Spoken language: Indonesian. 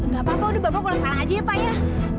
gapapa udah bapak pulang sekarang aja ya pak ya